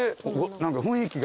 何か雰囲気が。